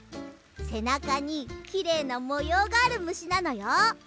せなかにきれいなもようがあるむしなのよ。